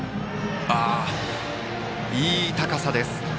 いい高さでした。